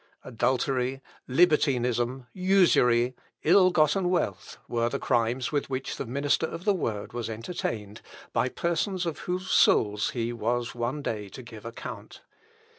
Adultery, libertinism, usury, ill gotten wealth, were the crimes with which the minister of the word was entertained by persons of whose souls he was one day to give account.